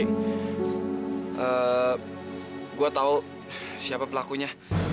gue tahu siapa pelakunya